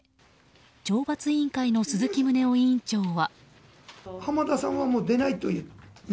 懲罰委員会の鈴木宗男委員長は。